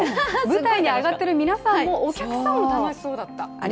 舞台に上がっている皆さんもお客さんも楽しそうだった。